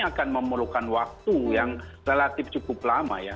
akan memerlukan waktu yang relatif cukup lama ya